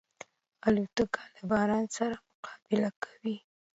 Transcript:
الوتکه له باران سره مقابله کوي.